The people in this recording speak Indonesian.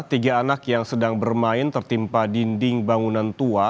tiga anak yang sedang bermain tertimpa dinding bangunan tua